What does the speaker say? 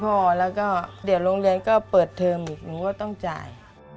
พ่อแล้วก็เดี๋ยวโรงเรียนก็เปิดเทอมอีกหนูก็ต้องจ่าย